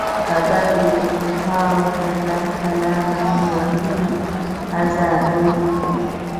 هدف یې د کفارو تر لاس لاندې هیوادونو آزادول وو.